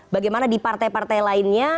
bagaimana di partai partai lainnya